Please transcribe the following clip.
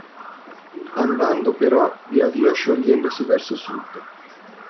Andando però via via sciogliendosi verso sud.